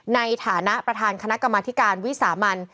ในฐานะประธานคณะกรรมธิการวิสามัน